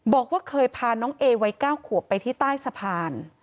บอกว่าเคยพาน้องเอวัย๙ขวบไปที่ใต้สะพาน